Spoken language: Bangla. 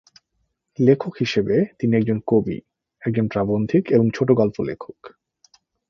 লেখক হিসেবে, তিনি একজন কবি, একজন প্রাবন্ধিক এবং ছোটগল্প লেখক।